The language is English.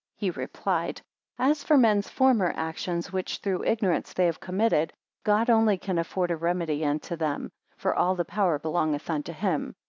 61 He replied, As for men's former actions which through ignorance they have committed, God only can afford a remedy unto them; for all the power belongeth unto him.